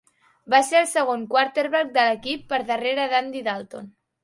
Va ser el segon quarterback de l'equip per darrere d'Andy Dalton.